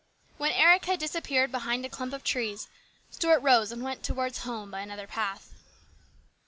When Eric had disappeared behind a clump of trees, Stuart rose and went towards home by another path.